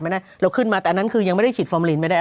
เราขึ้นมาแต่อันนั้นคือยังไม่ได้ฉีดฟอร์มลีนไม่ได้